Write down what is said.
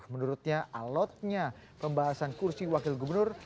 menurutnya alotnya pembahasan kursi wakil gubernur